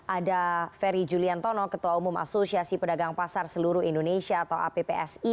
ada ferry juliantono ketua umum asosiasi pedagang pasar seluruh indonesia atau appsi